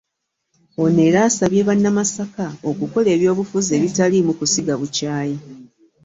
Ono era asabye bannamasaka okukola ebyobufuzi obitaliimu kusiga bukyayi.